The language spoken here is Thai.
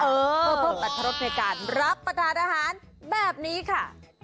เพื่อพบปรรถรสในการรับประกาศอาหารแบบนี้ค่ะ